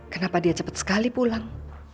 kenapa dia cepat sekali pulang